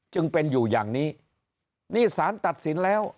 จึงเป็นอยู่อย่างนี้